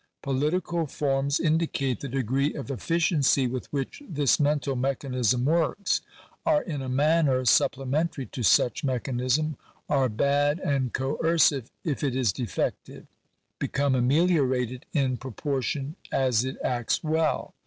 Political forms indicate the degree of efficiency with which this mental mechanism works; are in a manner supplementary to such mechanism; are bad and coercive if it is defective; become ameliorated in proportion as it acts well.